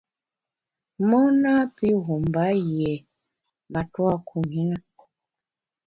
Mon napi wum mba yié matua kum i na.